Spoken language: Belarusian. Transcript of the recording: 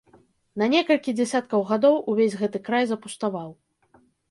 На некалькі дзясяткаў гадоў увесь гэты край запуставаў.